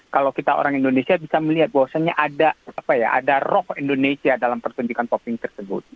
kalau kita orang indonesia bisa melihat bahwasannya ada roh indonesia dalam pertunjukan topping tersebut